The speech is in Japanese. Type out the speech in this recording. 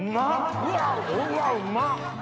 うわうまっ！